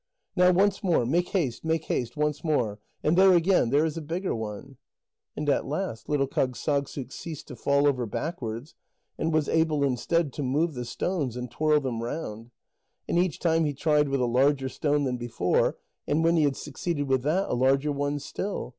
"Now once more. Make haste, make haste, once more. And there again, there is a bigger one." And at last little Kâgssagssuk ceased to fall over backwards, and was able instead to move the stones and twirl them round. And each time he tried with a larger stone than before, and when he had succeeded with that, a larger one still.